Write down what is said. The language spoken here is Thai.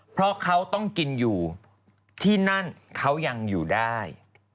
เพราะเขาต้องกินอยู่ที่นั่นเขายังอยู่ได้